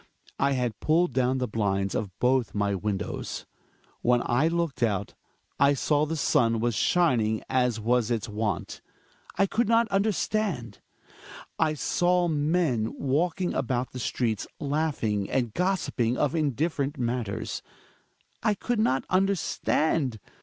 I had pulled down the blinds of both my windows. When I looked out, I saw that the sun was shining as was its wont. I could not understand. 1 THE WILD DUCK. 75 saw men walking about the streets, laughing and gossipping of indifferent matters. I could not under stand.